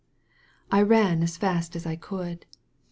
I ran as fast as I could.